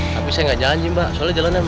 tapi saya gak janji mbak soalnya jalannya macet